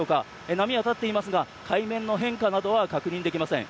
波は立っていますが海面の変化などは確認できません。